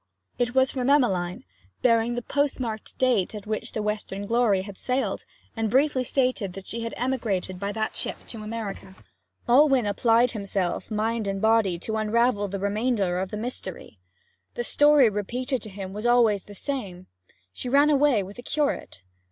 It was from Emmeline, bearing the postmarked date at which the Western Glory sailed, and briefly stated that she had emigrated by that ship to America. Alwyn applied himself body and mind to unravel the remainder of the mystery. The story repeated to him was always the same: 'She ran away with the curate.'